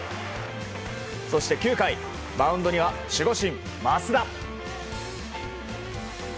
そして９回、マウンドには守護神・益田。